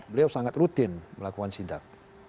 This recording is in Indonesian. beliau sangat rutin melakukan sidak